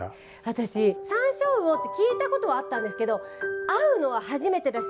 私サンショウウオって聞いたことはあったんですけど会うのは初めてだし